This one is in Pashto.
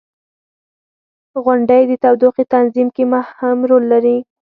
• غونډۍ د تودوخې تنظیم کې مهم رول لري.